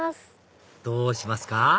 どうしますか？